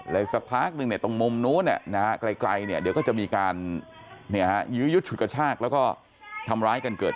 ในลับสักพักนึงตรงมุมนู้นเนี่ยนะฮะไกลเนี่ยเดี๋ยวจะมีการน่ะอยู่จุดกระชากแล้วก็ทำร้ายกันเกิด